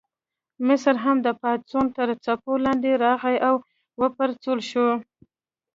مصر هم د پاڅون تر څپو لاندې راغی او وپرځول شو.